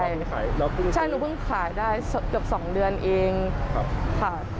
แล้วพึ่งขายใช่หนูพึ่งขายได้เกือบสองเดือนเองค่ะ